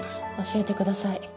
「教えてください。